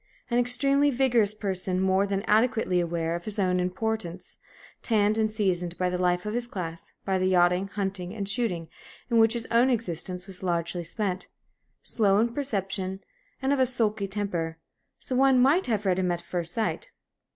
An extremely vigorous person, more than adequately aware of his own importance, tanned and seasoned by the life of his class, by the yachting, hunting, and shooting in which his own existence was largely spent, slow in perception, and of a sulky temper so one might have read him at first sight.